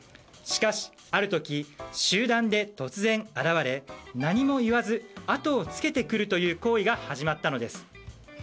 しかし、ある時集団で突然、現れ何も言わずあとをつけてくるという行為が始まったのです。